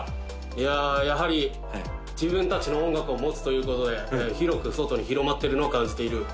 いややはり自分達の音楽を持つということで広く外に広まってるのを感じている！